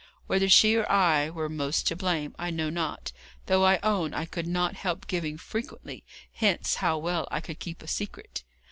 Whether she or I were most to blame, I know not, though I own I could not help giving frequently hints how well I could keep a secret.